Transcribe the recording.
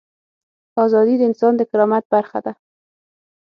ازادي د انسان د کرامت برخه ده.